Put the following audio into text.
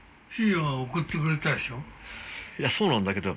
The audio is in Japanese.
そうなんだけど。